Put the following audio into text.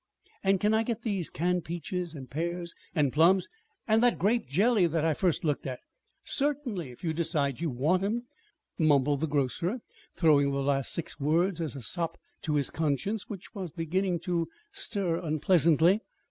"And can I get those canned peaches and pears and plums, and the grape jelly that I first looked at?" "Certainly if you decide you want 'em," mumbled the grocer, throwing the last six words as a sop to his conscience which was beginning to stir unpleasantly.